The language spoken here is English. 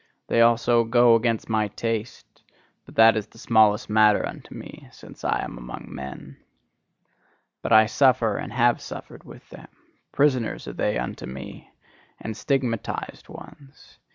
They also go against my taste; but that is the smallest matter unto me, since I am among men. But I suffer and have suffered with them: prisoners are they unto me, and stigmatised ones.